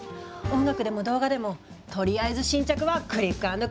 音楽でも動画でもとりあえず新着はクリックアンドクリックよ。